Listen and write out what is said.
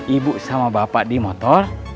ibu sama bapak di motor